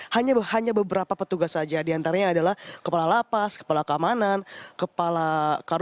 hanya beberapa petugas saja di antaranya adalah kepala lapas kepala keamanan kepala